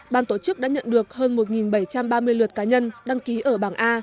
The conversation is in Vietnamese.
ban tổ chức đã nhận được hơn một bảy trăm ba mươi lượt cá nhân đăng ký ở bảng a